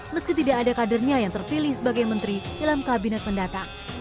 meski tidak ada kadernya yang terpilih sebagai menteri dalam kabinet mendatang